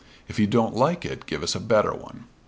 If you don't like it give us a better one.